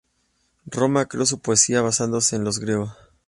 Roma creó su poesía basándose en los griegos.